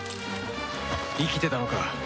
生きてたのか。